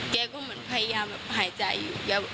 แกก็เหมือนพยายามแบบหายใจอยู่แกบอกฮึฮึ